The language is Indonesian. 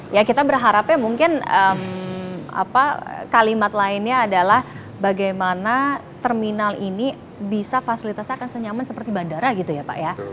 ya kita berharapnya mungkin kalimat lainnya adalah bagaimana terminal ini bisa fasilitasnya akan senyaman seperti bandara gitu ya pak ya